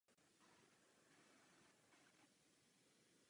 Součástí areálu muzea je i restaurace a ubytovací zařízení.